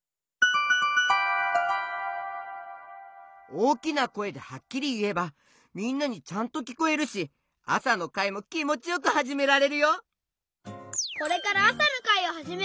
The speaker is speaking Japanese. おおきなこえではっきりいえばみんなにちゃんときこえるしあさのかいもきもちよくはじめられるよ！